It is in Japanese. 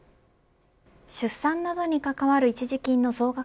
出産などに関わる一時金の増額